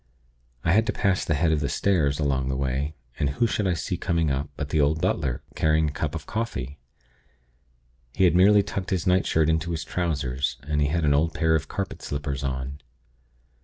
I had to pass the head of the stairs, along the way, and who should I see coming up, but the old butler, carrying a cup of coffee. He had merely tucked his nightshirt into his trousers, and he had an old pair of carpet slippers on.